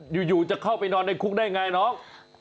อยู่จะเข้าไปนอนในคุกได้ไงน้อง